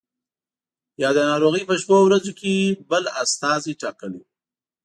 یا د ناروغۍ په شپو ورځو کې بل استازی ټاکلی وو.